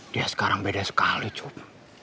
dia sekarang beda sekali cuma